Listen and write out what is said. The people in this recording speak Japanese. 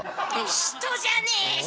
人じゃねえし！